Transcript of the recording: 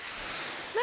何？